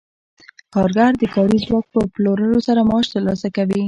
کارګر د کاري ځواک په پلورلو سره معاش ترلاسه کوي